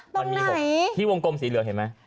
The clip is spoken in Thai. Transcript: ตรงไหนที่วงกลมสีเหลืองเห็นมั้ย